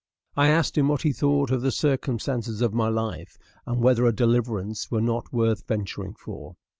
I asked him what he thought of the circumstances of my life, and whether a deliverance were not worth venturing for.